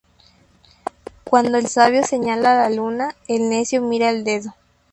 Cuando el sabio señala la luna, el necio mira el dedo